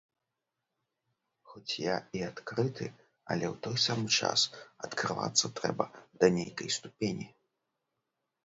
Хоць я і адкрыты, але ў той самы час адкрывацца трэба да нейкай ступені.